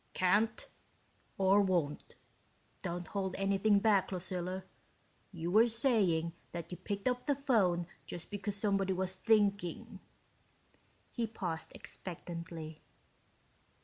"Can't? Or won't? Don't hold anything back, Lucilla. You were saying that you picked up the phone just because somebody was thinking...." He paused expectantly.